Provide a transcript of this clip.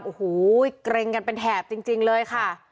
โอ้โหเกร็งกันเป็นแถบจริงเลยค่ะ